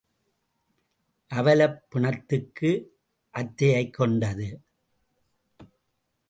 அவலப் பிணத்துக்கு அத்தையைக் கொண்டது.